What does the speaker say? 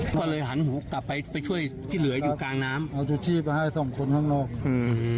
ก็เลยหันหูกลับไปไปช่วยที่เหลืออยู่กลางน้ำเอาชูชีพมาให้สองคนข้างนอกอืม